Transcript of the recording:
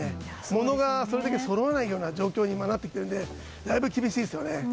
物がそろわないような状況に今、なってきているのでだいぶ厳しいですよね。